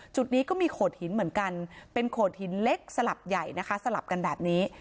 จุดนี้ก็มีโขดหินเหมือนกันเป็นโขดหินเล็กสลับใหญ่นะคะสลับกันแบบนี้